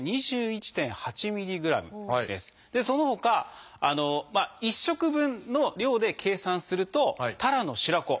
そのほか１食分の量で計算するとたらの白子